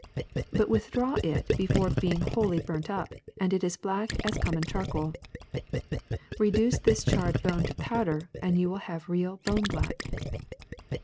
But withdrawn before being wholly burnt up, it is as black as common charcoal. Reduce this charred bone to powder, and you will have real bone black.